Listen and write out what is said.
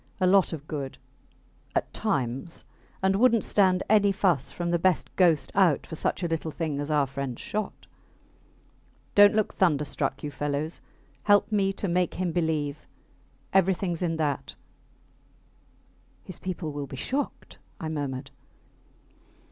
. a lot of good ... at times and wouldnt stand any fuss from the best ghost out for such a little thing as our friends shot. Dont look thunderstruck, you fellows. Help me to make him believe everythings in that. His people will be shocked, I murmured.